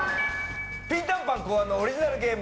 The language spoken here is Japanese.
ピンタンパン考案のオリジナルゲーム